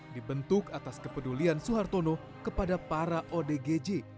dibentuk atas kepedulian suhartono kepada para odgj